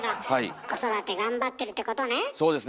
子育て頑張ってるってことね。